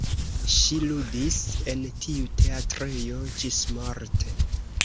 Ŝi ludis en tiu teatrejo ĝismorte.